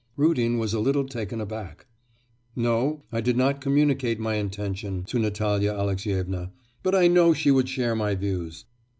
Rudin was a little taken aback. 'No, I did not communicate my intention to Natalya Alexyevna; but I know she would share my views.